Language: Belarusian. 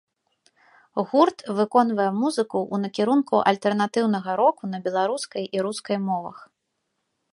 Гурт выконвае музыку ў накірунку альтэрнатыўнага року на беларускай і рускай мовах.